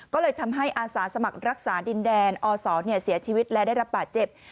ก็เลยทำให้อาสาสมัครรักษาดินแดนอศเสียชีวิตและได้รับบาดเจ็บ